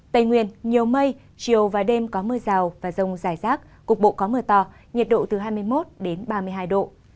tây nguyên nhiều mây chiều và đêm có mưa rào và rông rải rác cục bộ có mưa to nhiệt độ từ hai mươi một ba mươi hai độ